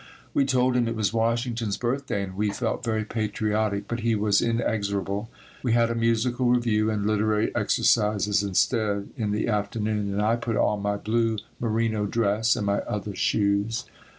We told him it was Washington's birthday and we felt very patriotic, but he was inexorable. We had a musical review and literary exercises instead in the afternoon and I put on my blue merino dress and my other shoes.